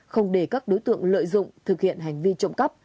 không để các đối tượng lợi dụng thực hiện hành vi trộm cắp